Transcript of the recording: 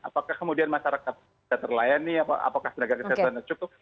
apakah kemudian masyarakat bisa terlayani apakah tenaga kesehatan cukup